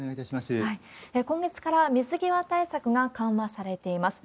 今月から水際対策が緩和されています。